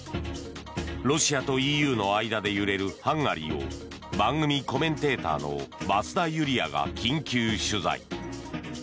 ロシアとＥＵの間で揺れるハンガリーを番組コメンテーターの増田ユリヤが緊急取材。